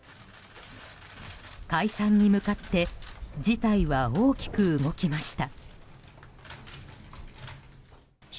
解散に向かって事態は大きく動きました。